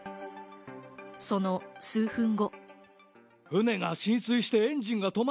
その数分後。